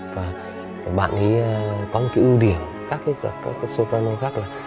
và bạn ấy có một cái ưu điểm khác với các soprano khác là